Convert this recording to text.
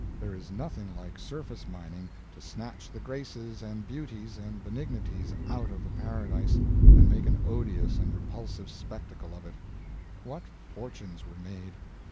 There is nothing like surface mining to snatch the graces and beauties and benignities out of a paradise, and make an odious and repulsive spectacle of it. What fortunes were made!